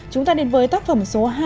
chúng ta đến với tác phẩm số hai